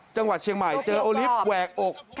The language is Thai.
จังหวัดเชียงใหม่เจอโอลิฟต์แหวกอก